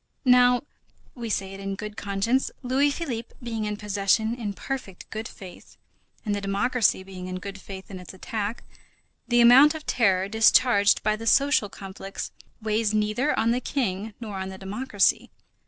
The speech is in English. Now, we say it in good conscience, Louis Philippe being in possession in perfect good faith, and the democracy being in good faith in its attack, the amount of terror discharged by the social conflicts weighs neither on the King nor on the democracy.